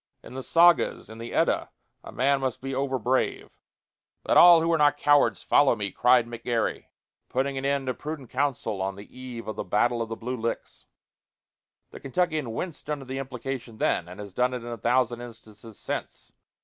In the Sagas, in the Edda, a man must be over brave. "Let all who are not cowards follow me!" cried McGary, putting an end to prudent counsel on the eve of the battle of the Blue Licks. The Kentuckian winced under the implication then, and has done it in a thousand instances since.